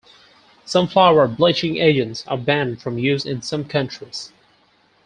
Some flour bleaching agents are banned from use in some countries.